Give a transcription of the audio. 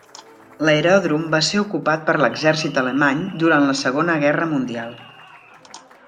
L'aeròdrom va ser ocupat per l'exèrcit alemany durant la Segona Guerra Mundial.